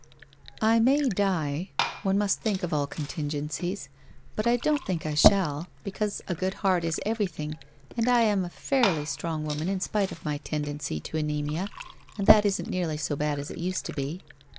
I may die — one must think of all contingencies — but I don't think I shall, because a good heart is everything and I am a fairly strong woman in spite of my tendency to anaemia, and that isn't nearly so bad as it used to be.